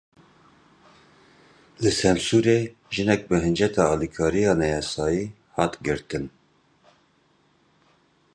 Li Semsûrê jinek bi hinceta alîkariya neyasayî hat girtin.